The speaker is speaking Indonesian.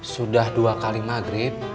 sudah dua kali maghrib